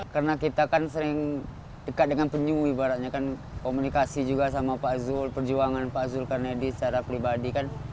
karena kita kan sering dekat dengan penyu ibaratnya kan komunikasi juga sama pak zul perjuangan pak zul karnedi secara pribadi kan